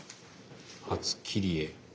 初切り絵。